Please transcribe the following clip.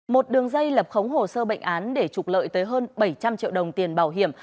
một đường dây lập khống hồ sơ bệnh án để trục lợi tới hơn bảy trăm linh triệu đồng tiền bảo hiểm